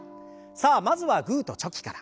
さあまずはグーとチョキから。